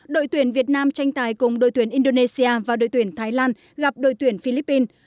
đội tuyển việt nam tranh tài cùng đội tuyển indonesia và đội tuyển thái lan gặp đội tuyển philippines